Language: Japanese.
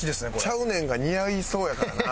「ちゃうねん」が似合いそうやからな